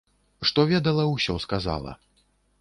Што ведала, усё сказала.